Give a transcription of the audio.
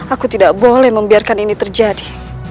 aku tidak boleh membiarkan ini terjadi